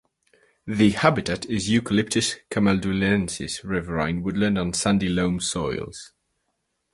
The habitat is "Eucalyptus camaldulensis" riverine woodland on sandy loam soils.